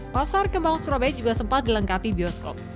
pasar kembang surabaya juga sempat dilengkapi bioskop